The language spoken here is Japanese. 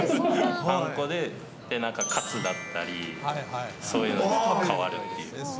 パン粉でカツだったり、そういうのに変わるっていう。